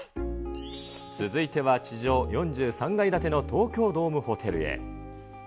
続いては地上４３階建ての東京ドームホテルへ。